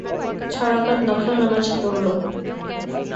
ছ রাকাত নফল নামাজ পড়ল।